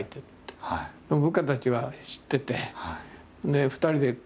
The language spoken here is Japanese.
でも部下たちは知ってて。